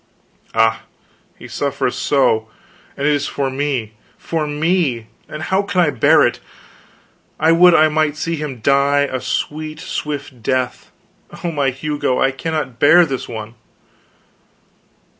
Ah, he suffereth so; and it is for me for me! And how can I bear it? I would I might see him die a sweet, swift death; oh, my Hugo, I cannot bear this one!"